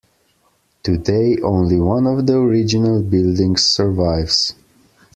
Today only one of the original buildings survives.